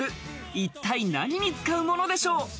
一体何に使うものでしょう？